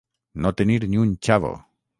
No tenir ni un xavo.